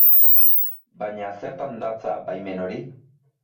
Baina, zertan datza baimen hori?